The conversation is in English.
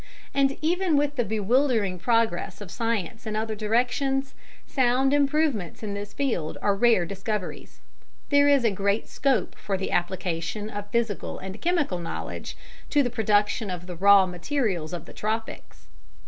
And even with the bewildering progress of science in other directions, sound improvements in this field are rare discoveries. There is great scope for the application of physical and chemical knowledge to the production of the raw materials of the tropics.